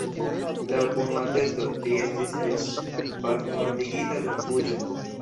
Laŭ unu atesto li estis eĉ pafmortigita dum fuĝo.